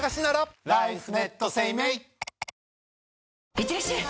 いってらっしゃい！